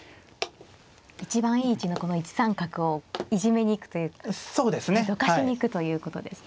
一番いい位置のこの１三角をいじめに行くというかどかしに行くということですね。